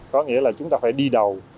có nghĩa là chúng ta phải đi đầu